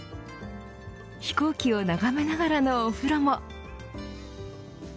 飛行機を眺めながらのお風呂も。